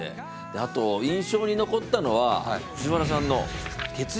あと印象に残ったのは藤原さんの「血液」。